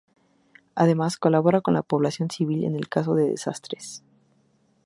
Además colabora con la población civil en caso de desastres.